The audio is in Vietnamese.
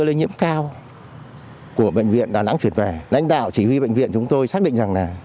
lây nhiễm cao của bệnh viện đà nẵng chuyển về lãnh đạo chỉ huy bệnh viện chúng tôi xác định rằng là